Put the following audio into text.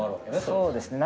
そうですね。